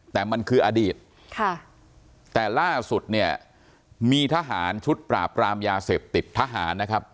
แต่มันคืออดีตค่ะแต่ล่าสุดเนี่ยมีทหารชุดปราบปรามยาเสพติดทหารนะครับ